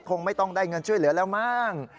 คงไม่ต้องได้เงินช่วยเหลือแล้วมั้ง